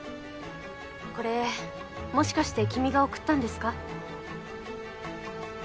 これもしかして君が送ったんですか？